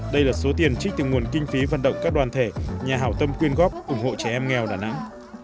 đây là số tiền trích từ nguồn kinh phí vận động các đoàn thể nhà hảo tâm quyên góp ủng hộ trẻ em nghèo đà nẵng